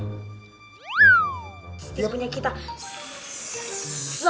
dia punya kita sempurna